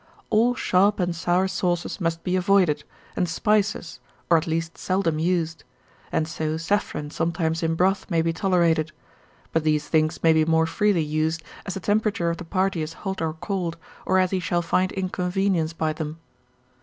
All sharp and sour sauces must be avoided, and spices, or at least seldom used: and so saffron sometimes in broth may be tolerated; but these things may be more freely used, as the temperature of the party is hot or cold, or as he shall find inconvenience by them.